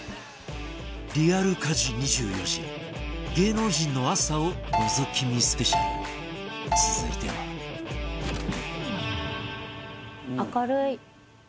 リアル家事２４時芸能人の朝をのぞき見スペシャル続いては藤本：明るい。